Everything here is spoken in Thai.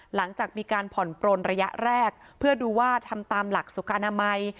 หลังจากมีการผ่อนปลนระยะแรกเพื่อดูว่าทำตามหลักสุขอนามัย